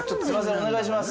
お願いします